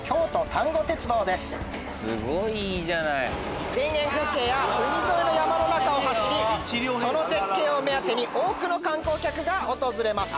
田園風景や海沿いの山の中を走りその絶景を目当てに多くの観光客が訪れます。